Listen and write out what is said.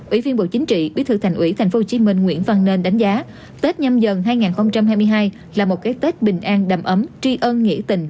ủy viên bộ chính trị bí thư thành ủy tp hcm nguyễn văn nên đánh giá tết nhâm dần hai nghìn hai mươi hai là một cái tết bình an đầm ấm tri ân nghỉ tình